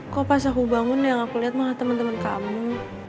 kok pas aku bangun yang aku lihat mah temen temen kamu